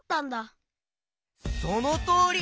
そのとおり。